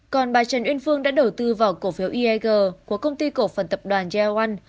còn bà trần yên phương đã đầu tư vào cổ phiếu eag của công ty cổ phần tập đoàn yeo one